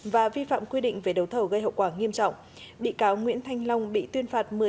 và vi phạm quy định về đấu thầu gây hậu quả nghiêm trọng bị cáo nguyễn thanh long bị tuyên phạt